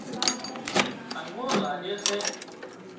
انگورلاڳي سي